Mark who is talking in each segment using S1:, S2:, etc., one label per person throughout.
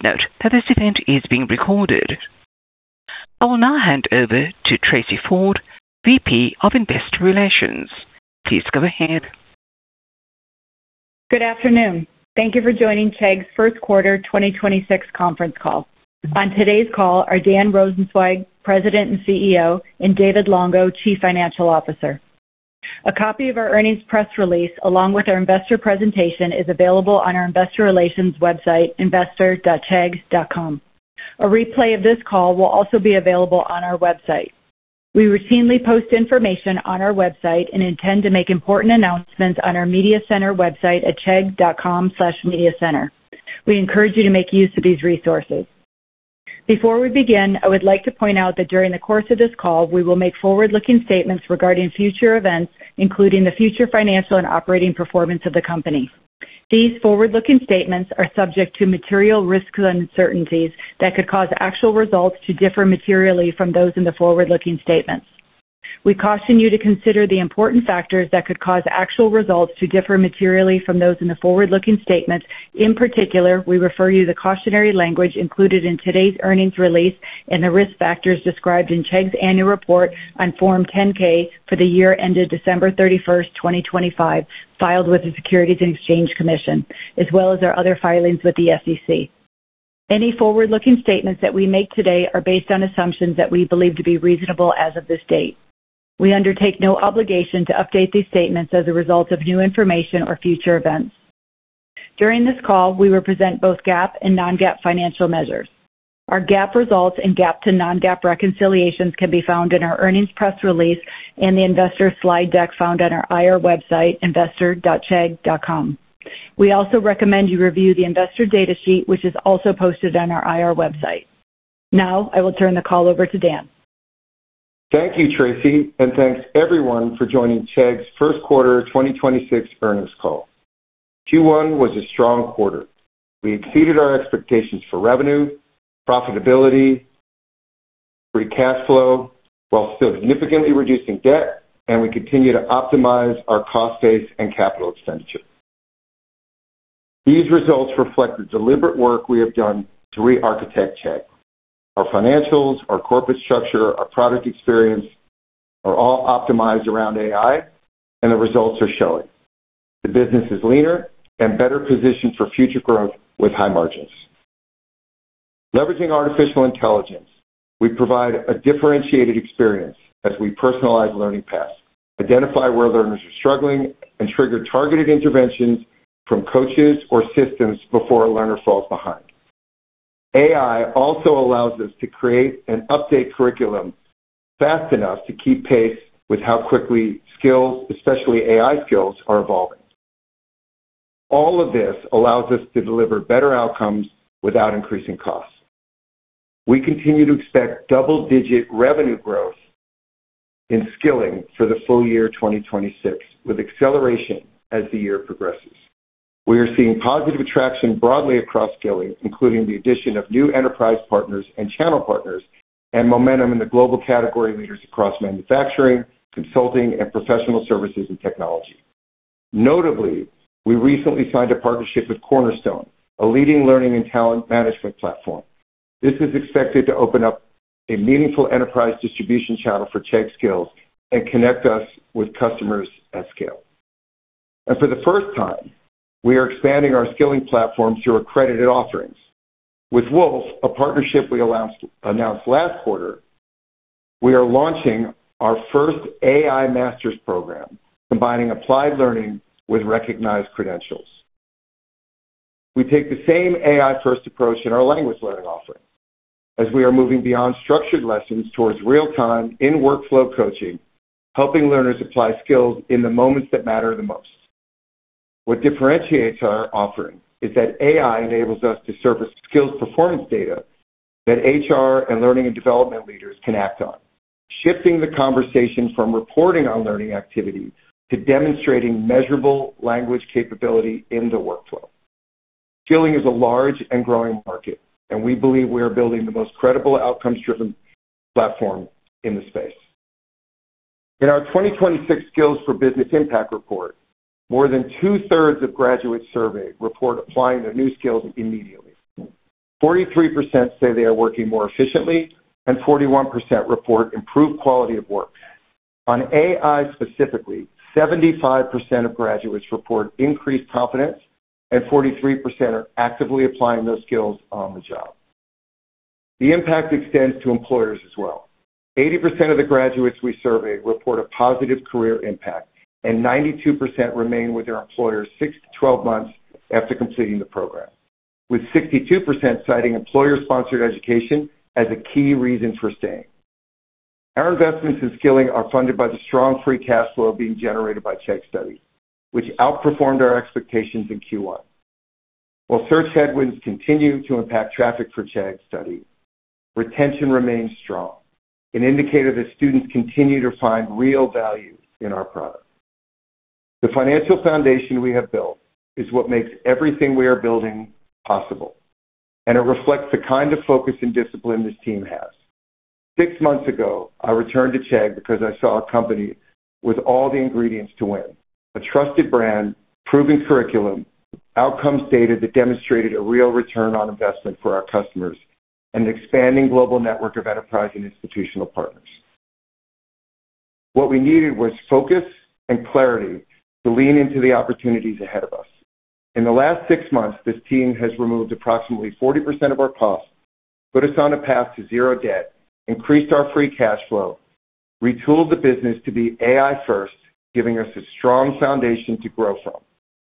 S1: Please note that this event is being recorded. I will now hand over to Tracey Ford, VP of Investor Relations. Please go ahead.
S2: Good afternoon. Thank you for joining Chegg's first quarter 2026 conference call. On today's call are Dan Rosensweig, President and CEO, and David Longo, Chief Financial Officer. A copy of our earnings press release, along with our investor presentation, is available on our investor relations website, investor.chegg.com. A replay of this call will also be available on our website. We routinely post information on our website and intend to make important announcements on our Media Center website at chegg.com/mediacenter. We encourage you to make use of these resources. Before we begin, I would like to point out that during the course of this call, we will make forward-looking statements regarding future events, including the future financial and operating performance of the company. These forward-looking statements are subject to material risks and uncertainties that could cause actual results to differ materially from those in the forward-looking statements. We caution you to consider the important factors that could cause actual results to differ materially from those in the forward-looking statements. In particular, we refer you to the cautionary language included in today's earnings release and the risk factors described in Chegg's annual report on Form 10-K for the year ended December 31st, 2025, filed with the Securities and Exchange Commission, as well as our other filings with the SEC. Any forward-looking statements that we make today are based on assumptions that we believe to be reasonable as of this date. We undertake no obligation to update these statements as a result of new information or future events. During this call, we will present both GAAP and non-GAAP financial measures. Our GAAP results and GAAP to non-GAAP reconciliations can be found in our earnings press release and the investor slide deck found on our IR website, investor.chegg.com. We also recommend you review the investor data sheet, which is also posted on our IR website. I will turn the call over to Dan.
S3: Thank you, Tracey, and thanks everyone for joining Chegg's first quarter 2026 earnings call. Q1 was a strong quarter. We exceeded our expectations for revenue, profitability, free cash flow, while still significantly reducing debt, and we continue to optimize our cost base and capital expenditure. These results reflect the deliberate work we have done to re-architect Chegg. Our financials, our corporate structure, our product experience are all optimized around AI, and the results are showing. The business is leaner and better positioned for future growth with high margins. Leveraging artificial intelligence, we provide a differentiated experience as we personalize learning paths, identify where learners are struggling, and trigger targeted interventions from coaches or systems before a learner falls behind. AI also allows us to create and update curriculum fast enough to keep pace with how quickly skills, especially AI skills, are evolving. All of this allows us to deliver better outcomes without increasing costs. We continue to expect double-digit revenue growth in Chegg Skilling for the full year 2026, with acceleration as the year progresses. We are seeing positive traction broadly across Chegg Skilling, including the addition of new enterprise partners and channel partners and momentum in the global category leaders across manufacturing, consulting, and professional services and technology. Notably, we recently signed a partnership with Cornerstone, a leading learning and talent management platform. This is expected to open up a meaningful enterprise distribution channel for Chegg Skills and connect us with customers at scale. For the first time, we are expanding our Chegg Skilling platform through accredited offerings. With Woolf, a partnership we announced last quarter, we are launching our first AI Master's program, combining applied learning with recognized credentials. We take the same AI-first approach in our language learning offering as we are moving beyond structured lessons towards real-time, in-workflow coaching, helping learners apply skills in the moments that matter the most. What differentiates our offering is that AI enables us to surface skills performance data that HR and learning and development leaders can act on, shifting the conversation from reporting on learning activity to demonstrating measurable language capability in the workflow. Skilling is a large and growing market, and we believe we are building the most credible outcomes-driven platform in the space. In our 2026 Skills for Business Impact Report, more than two-thirds of graduates surveyed report applying their new skills immediately. 43% say they are working more efficiently, and 41% report improved quality of work. On AI specifically, 75% of graduates report increased confidence. 43% are actively applying those skills on the job. The impact extends to employers as well. 80% of the graduates we surveyed report a positive career impact. 92% remain with their employer six to 12 months after completing the program, with 62% citing employer-sponsored education as a key reason for staying. Our investments in skilling are funded by the strong free cash flow being generated by Chegg Study, which outperformed our expectations in Q1. Search headwinds continue to impact traffic for Chegg Study, retention remains strong, an indicator that students continue to find real value in our product. The financial foundation we have built is what makes everything we are building possible. It reflects the kind of focus and discipline this team has. 6 months ago, I returned to Chegg because I saw a company with all the ingredients to win. A trusted brand, proven curriculum, outcomes data that demonstrated a real return on investment for our customers, and an expanding global network of enterprise and institutional partners. What we needed was focus and clarity to lean into the opportunities ahead of us. In the last 6 months, this team has removed approximately 40% of our costs, put us on a path to 0 debt, increased our free cash flow, retooled the business to be AI first, giving us a strong foundation to grow from.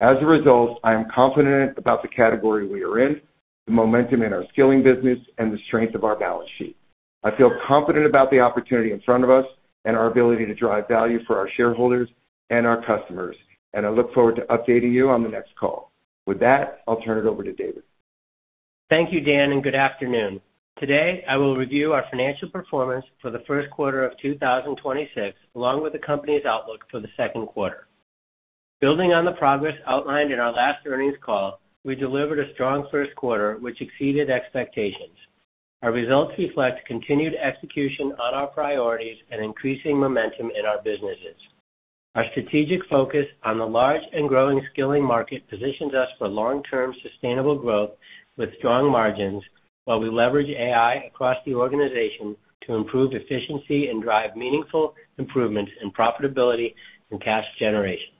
S3: As a result, I am confident about the category we are in, the momentum in our Skilling business, and the strength of our balance sheet. I feel confident about the opportunity in front of us and our ability to drive value for our shareholders and our customers, and I look forward to updating you on the next call. With that, I'll turn it over to David.
S4: Thank you, Dan, and good afternoon. Today, I will review our financial performance for the first quarter of 2026, along with the company's outlook for the second quarter. Building on the progress outlined in our last earnings call, we delivered a strong first quarter, which exceeded expectations. Our results reflect continued execution on our priorities and increasing momentum in our businesses. Our strategic focus on the large and growing skilling market positions us for long-term sustainable growth with strong margins, while we leverage AI across the organization to improve efficiency and drive meaningful improvements in profitability and cash generation.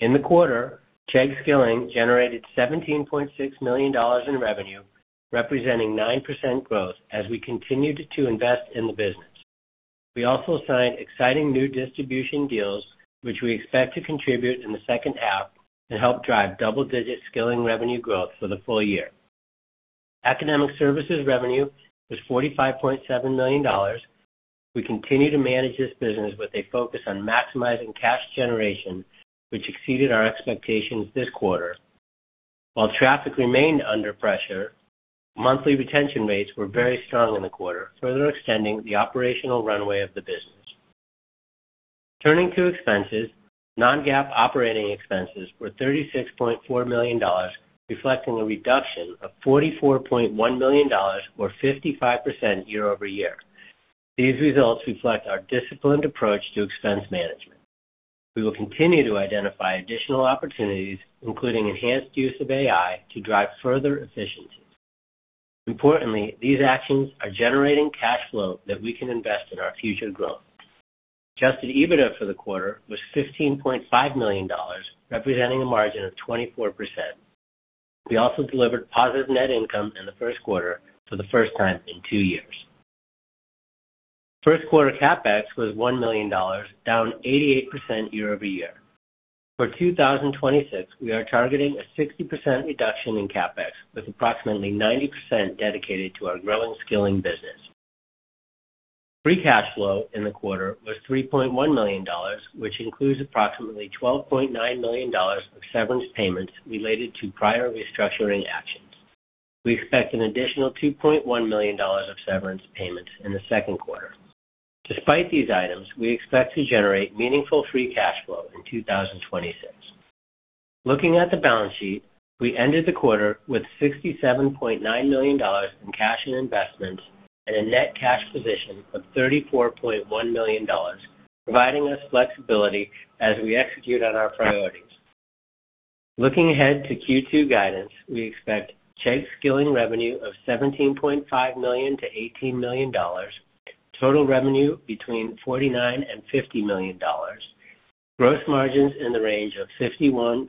S4: In the quarter, Chegg Skilling generated $17.6 million in revenue, representing 9% growth as we continued to invest in the business. We also signed exciting new distribution deals, which we expect to contribute in the second half and help drive double-digit Skilling revenue growth for the full year. Academic services revenue was $45.7 million. We continue to manage this business with a focus on maximizing cash generation, which exceeded our expectations this quarter. While traffic remained under pressure, monthly retention rates were very strong in the quarter, further extending the operational runway of the business. Turning to expenses, non-GAAP operating expenses were $36.4 million, reflecting a reduction of $44.1 million or 55% year-over-year. These results reflect our disciplined approach to expense management. We will continue to identify additional opportunities, including enhanced use of AI, to drive further efficiencies. Importantly, these actions are generating cash flow that we can invest in our future growth. Adjusted EBITDA for the quarter was $15.5 million, representing a margin of 24%. We also delivered positive net income in the first quarter for the first time in two years. First quarter CapEx was $1 million, down 88% year-over-year. For 2026, we are targeting a 60% reduction in CapEx, with approximately 90% dedicated to our growing Skilling business. Free cash flow in the quarter was $3.1 million, which includes approximately $12.9 million of severance payments related to prior restructuring actions. We expect an additional $2.1 million of severance payments in the second quarter. Despite these items, we expect to generate meaningful free cash flow in 2026. Looking at the balance sheet, we ended the quarter with $67.9 million in cash and investments and a net cash position of $34.1 million, providing us flexibility as we execute on our priorities. Looking ahead to Q2 guidance, we expect Chegg Skilling revenue of $17.5 million-$18 million, total revenue between $49 million and $50 million, gross margins in the range of 51%-52%,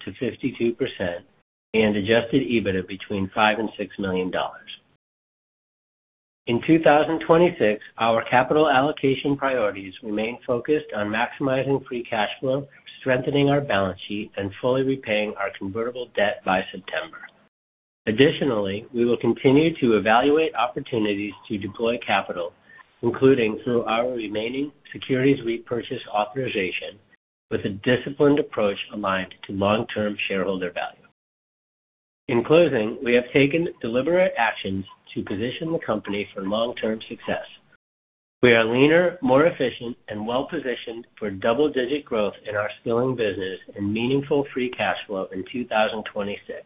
S4: and adjusted EBITDA between $5 million and $6 million. In 2026, our capital allocation priorities remain focused on maximizing free cash flow, strengthening our balance sheet, and fully repaying our convertible debt by September. Additionally, we will continue to evaluate opportunities to deploy capital, including through our remaining securities repurchase authorization with a disciplined approach aligned to long-term shareholder value. In closing, we have taken deliberate actions to position the company for long-term success. We are leaner, more efficient, and well-positioned for double-digit growth in our skilling business and meaningful free cash flow in 2026,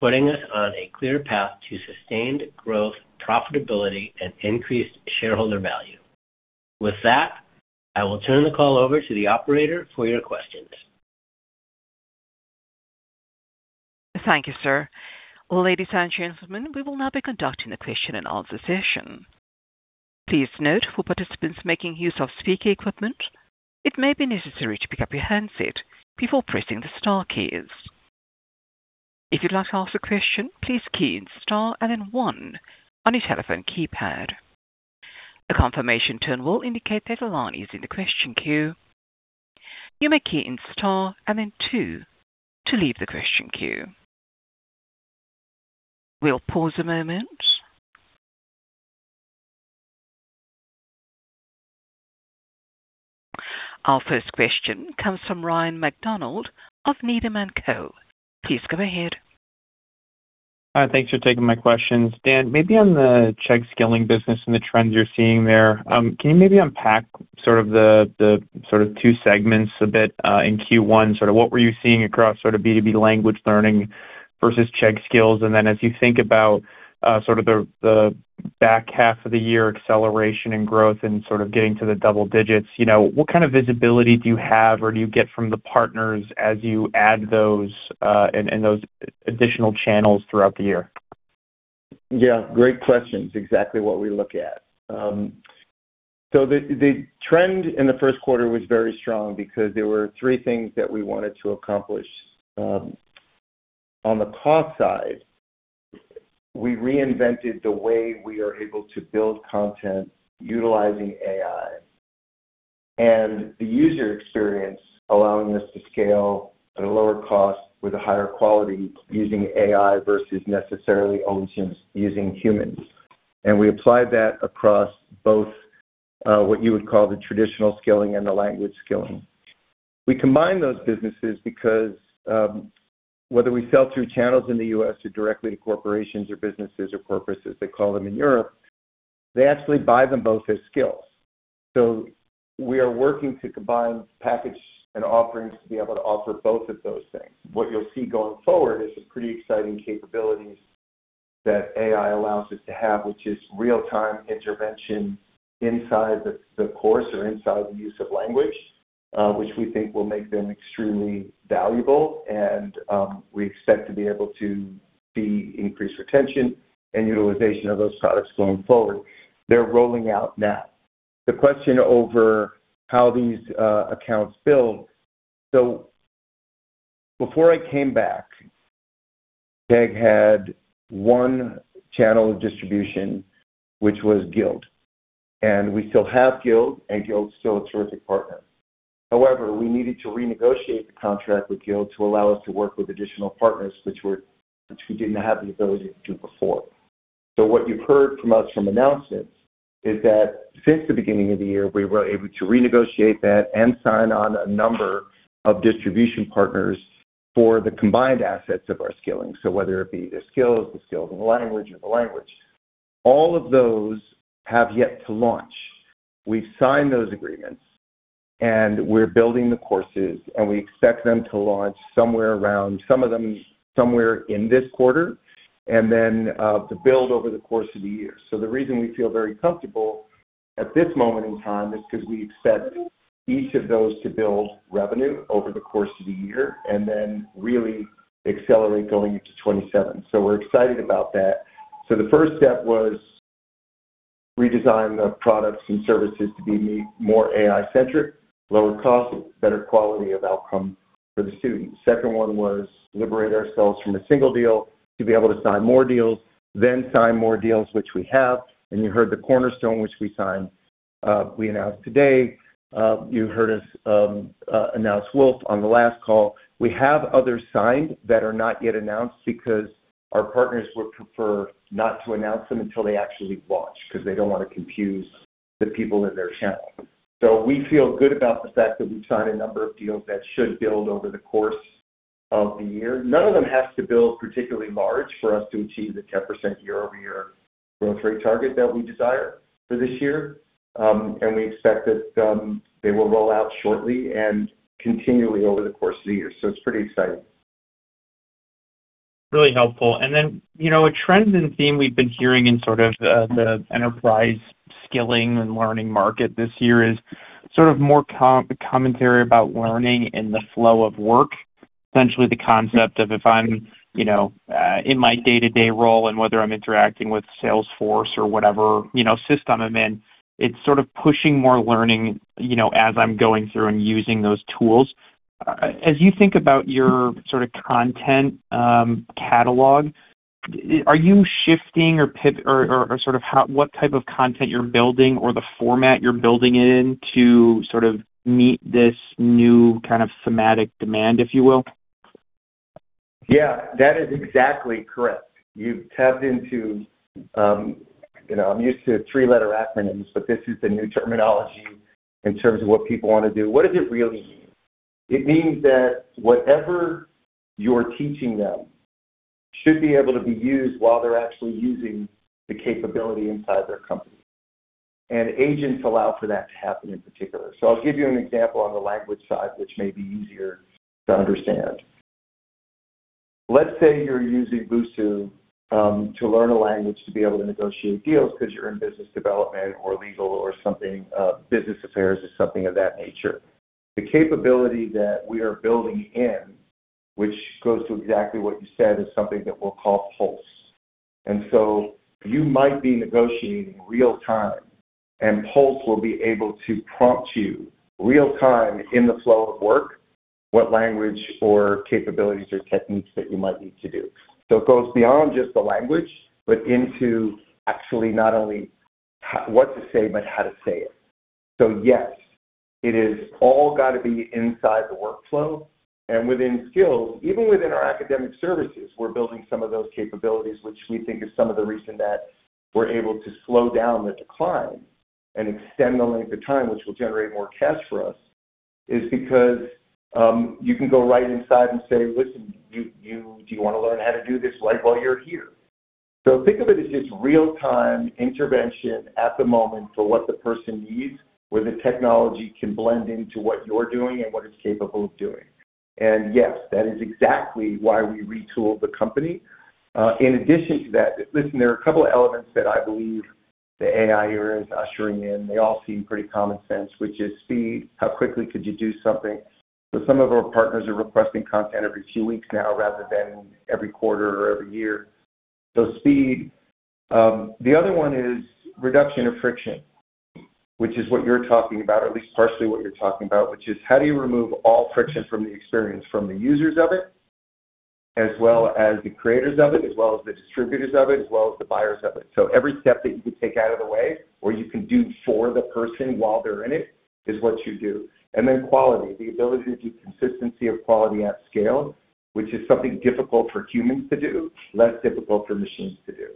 S4: putting us on a clear path to sustained growth, profitability, and increased shareholder value. With that, I will turn the call over to the operator for your questions.
S1: Thank you, sir. Ladies and gentlemen, we will now be conducting a Question-and-Answer session. Please note for participants making use of speaker equipment, it may be necessary to pick up your handset before pressing the star keys. If you'd like to ask a question, please key in star and then one on your telephone keypad. The confirmation tone will indicate that a line is in the question queue. You may key in star and then two to leave the question queue. We'll pause for a moment. Our first question comes from Ryan MacDonald of Needham & Co. Please go ahead.
S5: Thanks for taking my questions. Dan, maybe on the Chegg Skilling business and the trends you're seeing there, can you maybe unpack sort of the sort of two segments a bit in Q1? What were you seeing across sort of B2B language learning versus Chegg Skills. As you think about sort of the back half of the year acceleration and growth and sort of getting to the double digits, you know, what kind of visibility do you have or do you get from the partners as you add those and those additional channels throughout the year?
S3: Yeah, great questions. Exactly what we look at. The trend in the first quarter was very strong because there were three things that we wanted to accomplish. On the cost side, we reinvented the way we are able to build content utilizing AI. The user experience allowing us to scale at a lower cost with a higher quality using AI versus necessarily only just using humans. We applied that across both what you would call the traditional skilling and the language skilling. We combine those businesses because whether we sell through channels in the U.S. or directly to corporations or businesses or corporates, as they call them in Europe, they actually buy them both as skills. We are working to combine package and offerings to be able to offer both of those things. What you'll see going forward is some pretty exciting capabilities that AI allows us to have, which is real-time intervention inside the course or inside the use of language, which we think will make them extremely valuable and we expect to be able to see increased retention and utilization of those products going forward. They're rolling out now. The question over how these accounts build. Before I came back, Chegg had one channel of distribution, which was Guild. We still have Guild, and Guild's still a terrific partner. However, we needed to renegotiate the contract with Guild to allow us to work with additional partners, which we didn't have the ability to do before. What you've heard from us from announcements is that since the beginning of the year, we were able to renegotiate that and sign on a number of distribution partners for the combined assets of our Skilling. Whether it be the Skills, the Skills and the language or the language. All of those have yet to launch. We've signed those agreements, and we're building the courses, and we expect them to launch somewhere around some of them somewhere in this quarter, and then to build over the course of the year. The reason we feel very comfortable at this moment in time is 'cause we expect each of those to build revenue over the course of the year, and then really accelerate going into 2027. We're excited about that. The first step was redesign the products and services to be more AI-centric, lower cost, better quality of outcome for the student. The second one was liberate ourselves from a single deal to be able to sign more deals, then sign more deals, which we have. You heard the Cornerstone, which we signed, we announced today. You heard us announce Woolf on the last call. We have others signed that are not yet announced because our partners would prefer not to announce them until they actually launch, 'cause they don't wanna confuse the people in their channel. We feel good about the fact that we've signed a number of deals that should build over the course of the year. None of them have to build particularly large for us to achieve the 10% year-over-year growth rate target that we desire for this year. We expect that they will roll out shortly and continually over the course of the year. It's pretty exciting.
S5: Really helpful. Then, you know, a trend and theme we've been hearing in sort of the enterprise skilling and learning market this year is sort of more commentary about learning in the flow of work. Essentially, the concept of if I'm, you know, in my day-to-day role and whether I'm interacting with Salesforce or whatever, you know, system I'm in, it's sort of pushing more learning, you know, as I'm going through and using those tools. As you think about your sort of content catalog, are you shifting or what type of content you're building or the format you're building it into sort of meet this new kind of thematic demand, if you will?
S3: That is exactly correct. You've tapped into, you know, I'm used to three-letter acronyms, but this is the new terminology in terms of what people wanna do. What does it really mean? It means that whatever you're teaching them should be able to be used while they're actually using the capability inside their company. Agents allow for that to happen in particular. I'll give you an example on the language side, which may be easier to understand. Let's say you're using Busuu to learn a language to be able to negotiate deals 'cause you're in business development or legal or something, business affairs or something of that nature. The capability that we are building in, which goes to exactly what you said, is something that we'll call Pulse. You might be negotiating real-time, and Pulse will be able to prompt you real-time in the flow of work what language or capabilities or techniques that you might need to do. It goes beyond just the language, but into actually not only what to say, but how to say it. Yes, it is all gotta be inside the workflow. Within skills, even within our academic services, we're building some of those capabilities, which we think is some of the reason that we're able to slow down the decline and extend the length of time, which will generate more cash for us, is because you can go right inside and say, "Listen, you, do you wanna learn how to do this right while you're here?" Think of it as just real-time intervention at the moment for what the person needs, where the technology can blend into what you're doing and what it's capable of doing. Yes, that is exactly why we retooled the company. In addition to that, listen, there are a couple elements that I believe the AI era is ushering in. They all seem pretty common sense, which is speed. How quickly could you do something? Some of our partners are requesting content every few weeks now rather than every quarter or every year. Speed. The other one is reduction of friction, which is what you're talking about, at least partially what you're talking about, which is how do you remove all friction from the experience, from the users of it, as well as the creators of it, as well as the distributors of it, as well as the buyers of it. Every step that you can take out of the way or you can do for the person while they're in it is what you do. Then quality, the ability to do consistency of quality at scale, which is something difficult for humans to do, less difficult for machines to do.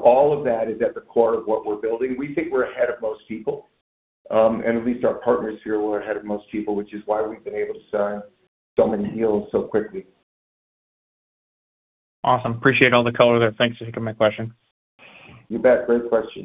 S3: All of that is at the core of what we're building. We think we're ahead of most people, and at least our partners here, we're ahead of most people, which is why we've been able to sign so many deals so quickly.
S5: Awesome. Appreciate all the color there. Thanks. That's the end of my questions.
S3: You bet. Great questions.